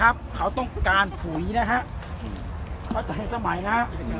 แล้วผมคิดว่า